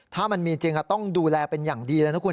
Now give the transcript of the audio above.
ถ้ามันมีจริงต้องดูแลเป็นอย่างดีเลยนะคุณ